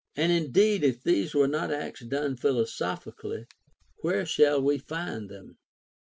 And indeed if these were not acts done philosophically, where shall we find them?